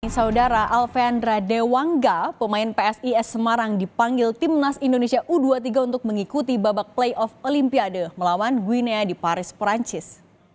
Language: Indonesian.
saudara alvendra dewangga pemain psis semarang dipanggil timnas indonesia u dua puluh tiga untuk mengikuti babak playoff olimpiade melawan gwina di paris perancis